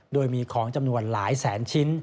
โดยมีของจำนวนหลายแสนชิ้น